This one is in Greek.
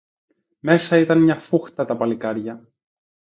Μέσα ήταν μια φούχτα τα παλικάρια